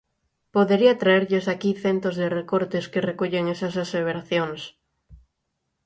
Podería traerlles aquí centos de recortes que recollen esas aseveracións.